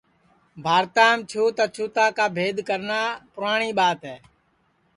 بھارتام چھوت اچھوتا کا بھید کرنا پُراٹؔی ٻات ہے